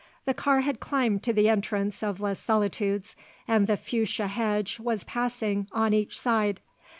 The car had climbed to the entrance of Les Solitudes and the fuchsia hedge was passing on each side.